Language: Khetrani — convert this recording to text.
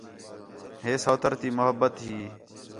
ہے سوتر تی محبت ہی